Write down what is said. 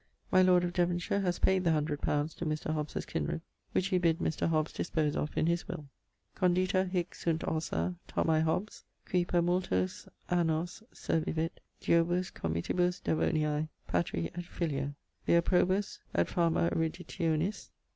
My lord of Devonshire has paid the hundred pounds to Mr. Hobbes's kinred, which he bid Mr. Hobbes dispose of in his will. Condita hic sunt ossa Thomae Hobbes Qui per multos annos servivit duobus comitibus Devoniae (patri et filio). Vir probus, et fama eruditionis.